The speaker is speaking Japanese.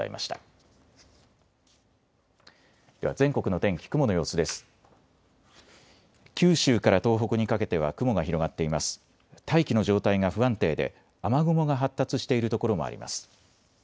大気の状態が不安定で雨雲が発達しているところもあります。